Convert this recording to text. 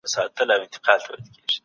موږ پر نوي طرحي کار کوو.